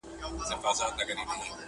شپه د پرخي په قدم تر غېږي راغلې.!